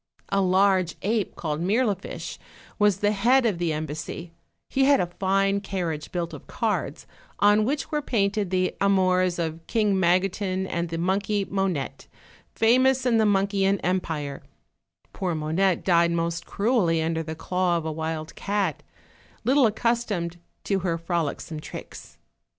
A large ape, called Mirlifiche, was the head of the em bassy: he had a fine carriage built of cards, on which were painted the amors of King Magotin and the monkey Monette, famous in themonkeyian empire; poor Monette died most cruelly under the claw of a wild cat, little ac customed to her frolicsome tricks.